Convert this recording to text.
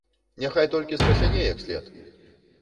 Няхай толькі страсяне як след!